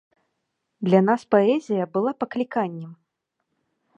Для нас паэзія была пакліканнем.